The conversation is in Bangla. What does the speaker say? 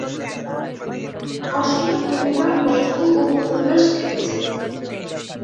অসংখ্য কবিতা, গল্প ও উপন্যাস লিখেছেন।